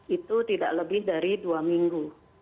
itu tidak lebih dari dua minggu